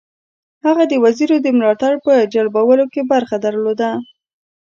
هغه د وزیرو د ملاتړ په جلبولو کې برخه درلوده.